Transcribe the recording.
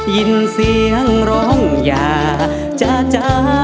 ยินเสียงร้องอย่าจ้า